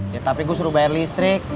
ya tapi gue suruh bayar listrik